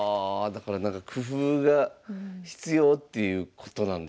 だからなんか工夫が必要っていうことなんですね。